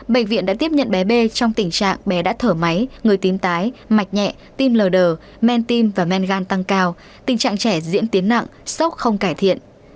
bệnh viện đã tiếp nhận bé b trong tình trạng bé đã thở máy người tím tái mạch nhẹ tim lờ đờ men tim và men gan tăng cao tình trạng trẻ diễn tiến nặng sốc không cải thiện